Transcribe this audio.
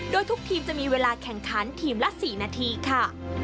โดยทุกทีมจะมีเวลาแข่งขันทีมละ๔นาทีค่ะ